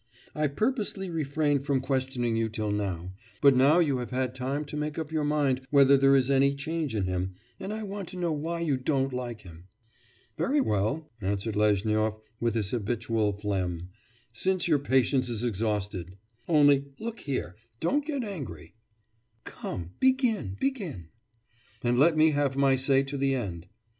I purposely refrained from questioning you till now; but now you have had time to make up your mind whether there is any change in him, and I want to know why you don't like him.' 'Very well,' answered Lezhnyov with his habitual phlegm, 'since your patience is exhausted; only look here, don't get angry.' 'Come, begin, begin.' 'And let me have my say to the end.